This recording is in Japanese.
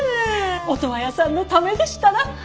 オトワヤさんのためでしたら。